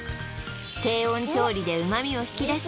低温調理で旨味を引き出し